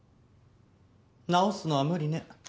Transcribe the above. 直すのは無理ね。